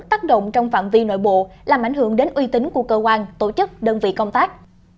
tác động trong phạm vi nội bộ làm ảnh hưởng đến uy tín của cơ quan tổ chức đơn vị công tác